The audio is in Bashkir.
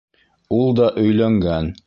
Ул да өйләнгән...